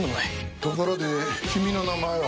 ところで君の名前は？